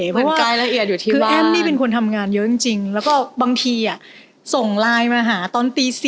เพราะว่าแอ้มนี่เป็นคนทำงานเยอะจริงแล้วก็บางทีส่งไลน์มาหาตอนตี๔